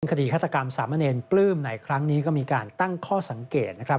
คดีฆาตกรรมสามเณรปลื้มในครั้งนี้ก็มีการตั้งข้อสังเกตนะครับ